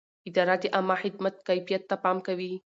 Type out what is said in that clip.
اداره د عامه خدمت کیفیت ته پام کوي.